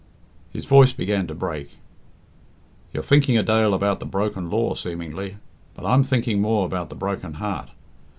His voice began to break. "You're thinking a dale about the broken law seemingly, but I'm thinking more about the broken heart.